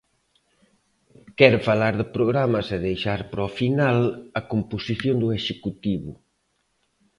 Quere falar de programas e deixar para o final a composición do Executivo.